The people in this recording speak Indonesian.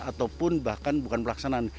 ataupun bahkan bukan pelaksanaan